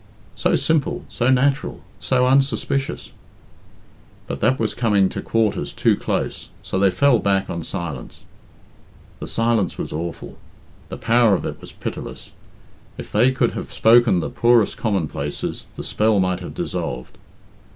"So simple, so natural, so unsuspicious " But that was coming to quarters too close, so they fell back on silence. The silence was awful; the power of it was pitiless. If they could have spoken the poorest commonplaces, the spell might have dissolved.